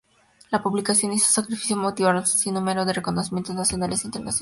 La publicación, y su sacrificio motivaron un sinnúmero de reconocimientos nacionales e internacionales.